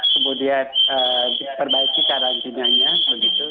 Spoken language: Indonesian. kemudian diperbaiki karantinanya begitu